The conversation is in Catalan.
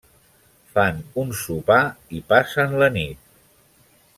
Fan un sopar i passen la nit.